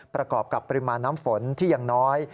ประกอบกับปริมาณน้ำฝนที่ยังน้อย